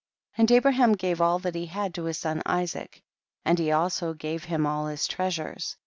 21. And Abraham gave all that he had to his son Isaac, and he also gave him all his treasures.